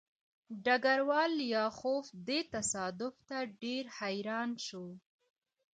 ډګروال لیاخوف دې تصادف ته ډېر حیران شو